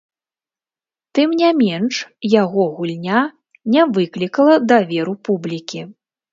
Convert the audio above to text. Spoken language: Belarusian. Тым не менш, яго гульня не выклікала даверу публікі.